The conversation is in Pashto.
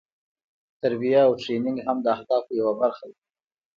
تربیه او ټریننګ هم د اهدافو یوه برخه ده.